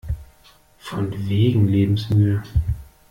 Von wegen lebensmüde!